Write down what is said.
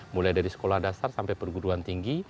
mulai dari sekolah dasar sampai perguruan tinggi